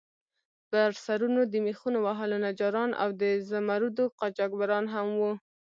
پر سرونو د میخونو وهلو نجاران او د زمُردو قاچاقبران هم وو.